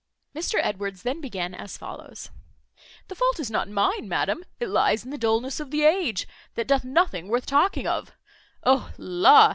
Mr Edwards then began as follows: "The fault is not mine, madam: it lies in the dulness of the age, that doth nothing worth talking of. O la!